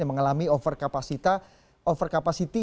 yang mengalami overkapasitas